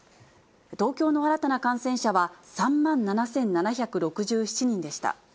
東京の新たな感染者は３万７７６７人でした。